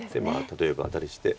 例えばアタリして。